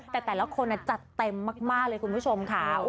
แต่แต่ละคนจัดเต็มมากเลยคุณผู้ชมค่ะ